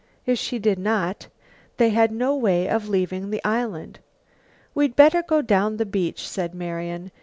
If she did not, they had no way of leaving the island. "We'd better go down the beach," said Marian.